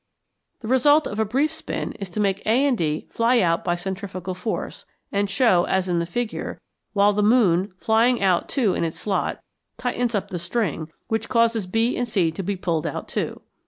The result of a brief spin is to make A and D fly out by centrifugal force and show, as in the figure; while the moon, flying out too in its slot, tightens up the string, which causes B and C to be pulled out too.